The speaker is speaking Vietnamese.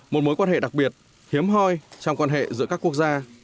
một mối quan hệ đặc biệt hiếm hoi trong quan hệ giữa các quốc gia